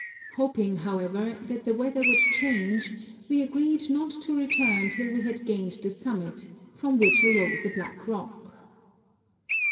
Hoping, however, that the weather would change, we agreed not to return till we had gained the summit, from which arose a black rock.